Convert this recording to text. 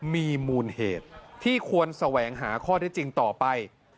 มีมูลเหตุที่ควรแสวงหาข้อได้จริงต่อไป